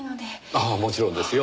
ああもちろんですよ。